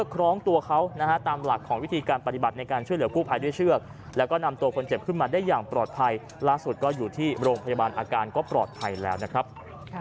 คล้องตัวเขานะฮะตามหลักของวิธีการปฏิบัติในการช่วยเหลือกู้ภัยด้วยเชือกแล้วก็นำตัวคนเจ็บขึ้นมาได้อย่างปลอดภัยล่าสุดก็อยู่ที่โรงพยาบาลอาการก็ปลอดภัยแล้วนะครับ